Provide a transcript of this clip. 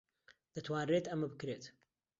دەتوانرێت ئەمە بکرێت.